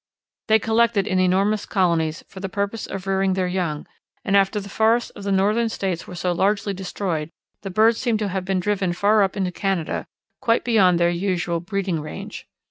They collected in enormous colonies for the purpose of rearing their young, and after the forests of the Northern States were so largely destroyed the birds seem to have been driven far up into Canada, quite beyond their usual breeding range.